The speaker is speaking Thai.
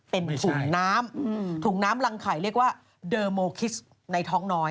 เป็นถุงน้ำถุงน้ำรังไข่เรียกว่าเดอร์โมคิสในท้องน้อย